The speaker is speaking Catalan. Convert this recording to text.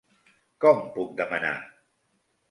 Com puc demanar??